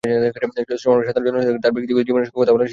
শর্মা জনসাধারণের মধ্যে তার ব্যক্তিগত জীবনের কথা বলার সিদ্ধান্ত নেন।